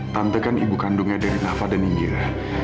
tante kan ibu kandungnya dari nafa dan ninggira